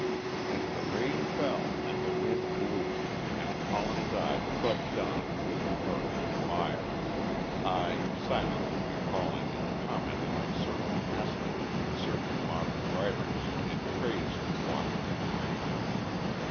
And the rain fell and the wind blew, and Colin and I trudged on through the murk and the mire, I silently recalling and commenting on certain passages in certain modern writers in praise of walking in the rain.